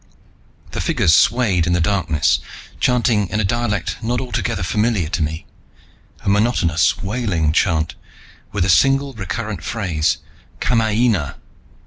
The figures swayed in the darkness, chanting in a dialect not altogether familiar to me, a monotonous wailing chant, with a single recurrent phrase: "Kamaina!